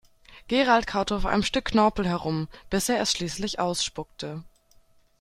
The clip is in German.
Gerald kaute auf einem Stück Knorpel herum, bis er es schließlich ausspuckte.